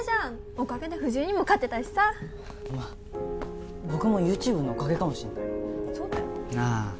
おかげで藤井にも勝てたしさまあ僕もＹｏｕＴｕｂｅのおかげかもしんないなあ